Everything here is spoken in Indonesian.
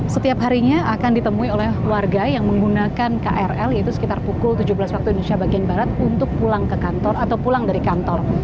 setiap harinya akan ditemui oleh warga yang menggunakan krl yaitu sekitar pukul tujuh belas waktu indonesia bagian barat untuk pulang ke kantor atau pulang dari kantor